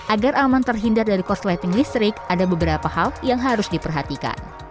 agar aman terhindar dari korsleting listrik ada beberapa hal yang harus diperhatikan